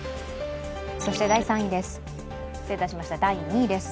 そして第２位です。